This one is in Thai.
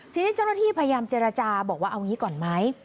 ทีนี้เจ้าหน้าที่พยายามเจรจาบอกว่าเอางี้ก่อนไหม